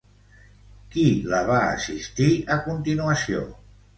Qui la va assistir a continuació?